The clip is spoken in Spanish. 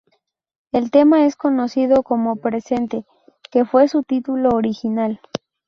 El tema es conocido como "Presente", que fue su título original.